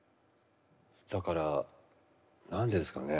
だから何でですかね。